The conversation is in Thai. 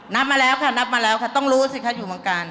นับมาแล้วค่ะนับมาแล้วค่ะต้องรู้สิคะอยู่เมืองกาล